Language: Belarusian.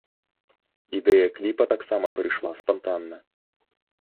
Ідэя кліпа таксама прыйшла спантанна.